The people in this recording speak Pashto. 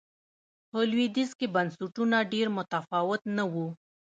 په لوېدیځ کې بنسټونه ډېر متفاوت نه و.